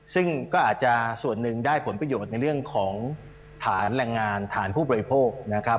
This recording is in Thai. ซึ่งก็อาจจะส่วนหนึ่งได้ผลประโยชน์ในเรื่องของฐานแรงงานฐานผู้บริโภคนะครับ